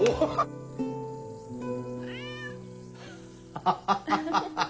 ハハハハハ。